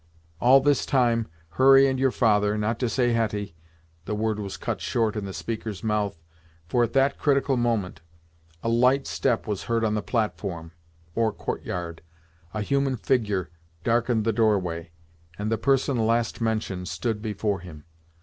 All this time, Hurry and your father, not to say Hetty " The word was cut short in the speaker's mouth, for, at that critical moment, a light step was heard on the platform, or 'court yard', a human figure darkened the doorway, and the person last mentioned stood before him.